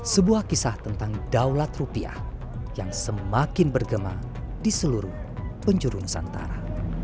sebuah kisah tentang daulat rupiah yang semakin bergema di seluruh penjuru nusantara